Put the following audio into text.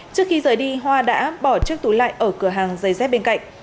trước khi rời đi hoa đã bỏ chiếc túi lại ở cửa hàng giày dép bên cạnh